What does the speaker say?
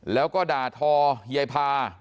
แล้วก็ด่าทอยายพา